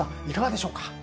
いかがでしょうか？